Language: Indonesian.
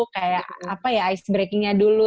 kayak apa ya icebreakingnya dulu